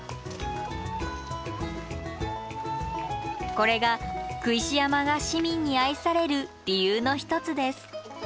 これが工石山が市民に愛される理由の一つです。